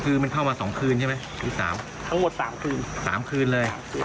คือมันเข้ามา๒คืนใช่ไหมที่๓ทั้งหมด๓คืน๓คืนเลย